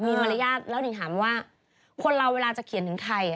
มีมารยาทแล้วนิ่งถามว่าคนเราเวลาจะเขียนถึงใคร